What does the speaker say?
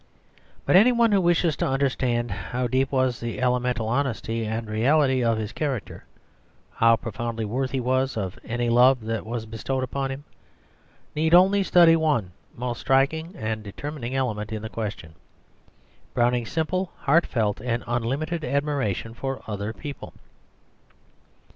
But any one who wishes to understand how deep was the elemental honesty and reality of his character, how profoundly worthy he was of any love that was bestowed upon him, need only study one most striking and determining element in the question Browning's simple, heartfelt, and unlimited admiration for other people.